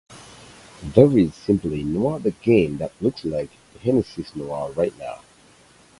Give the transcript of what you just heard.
There is simply no other game that looks like Genesis Noir right now.